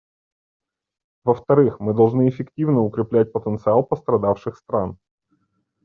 Во-вторых, мы должны эффективно укреплять потенциал пострадавших стран.